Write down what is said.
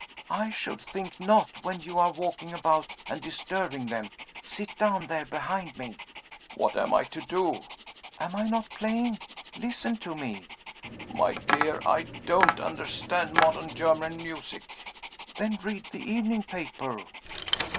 "I should think not when you are walking about and disturbing them! Sit down there behind me." "What am I to do?" "Am I not playing? Listen to me." "My dear, I don't understand modern German music." "Then read the evening paper."